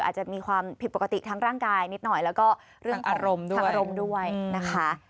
อาจจะมีความผิดปกติทั้งร่างกายนิดหน่อยแล้วก็เรื่องอารมณ์ด้วยทางอารมณ์ด้วยนะคะ